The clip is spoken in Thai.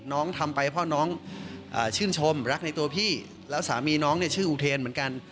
ทำไปเพราะน้องชื่นชมรักในตัวพี่แล้วสามีน้องเนี่ยชื่ออุเทนเหมือนกัน